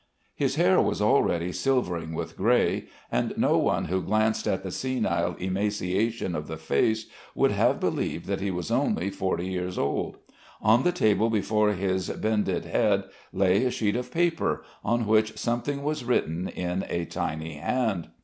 His hair was already silvering with grey, and no one who glanced at the senile emaciation of the face would have believed that he was only forty years old. On the table, before his bended head, lay a sheet of paper on which something was written in a tiny hand.